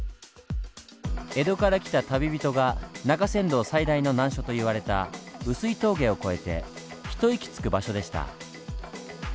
江戸から来た旅人が中山道最大の難所と言われた碓氷峠を越えて一息つく場所でした。